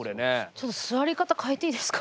ちょっと座り方変えていいですか。